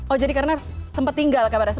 oh jadi karena sempat tinggal di malaysia